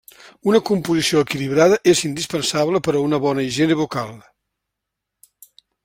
Una composició equilibrada és indispensable per a una bona higiene bucal.